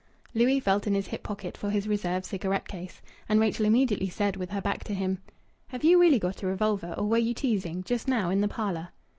Louis felt in his hip pocket for his reserve cigarette case. And Rachel immediately said, with her back to him "Have you really got a revolver, or were you teasing just now in the parlour?"